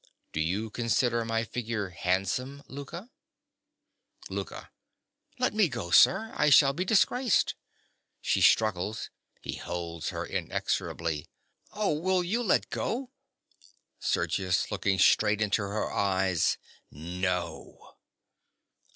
_) Do you consider my figure handsome, Louka? LOUKA. Let me go, sir. I shall be disgraced. (She struggles: he holds her inexorably.) Oh, will you let go? SERGIUS. (looking straight into her eyes). No.